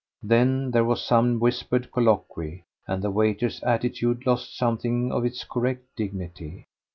Then there was some whispered colloquy, and the waiter's attitude lost something of its correct dignity.